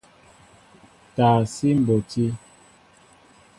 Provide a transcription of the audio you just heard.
Taa síi mbɔti.